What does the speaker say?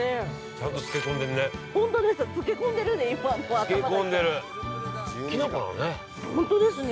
◆ちゃんと漬け込んでいるね。